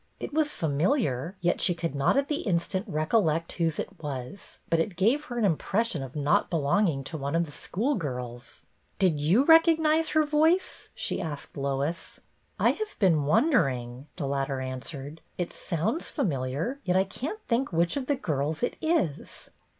It was familiar, yet she could not at the instant recollect whose it was ; but it gave her an impression of not belonging to one of the schoolgirls. " Did you recognize her voice ?" she asked Lois. " I have been wondering," the latter an swered. " It sounds familiar, yet I can't think which of the girls it is."